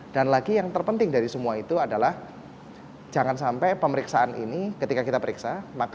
dan lagi yang terpenting dari semua itu adalah jangan sampai pemeriksaan ini ketika kita periksa